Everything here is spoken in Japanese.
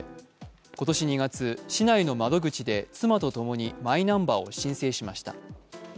今年２月、市内の窓口で妻と共にマイナンバーを申請しました。